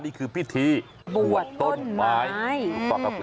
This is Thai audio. นี่คือพิธีบวชต้นไม้